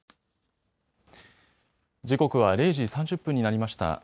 時刻は０時３０分になりました。